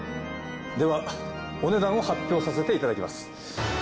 ではお値段を発表させていただきます。